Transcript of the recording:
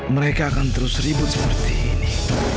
mereka akan terus ribut seperti ini